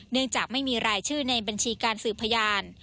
จากไม่มีรายชื่อในบัญชีการสืบพยาน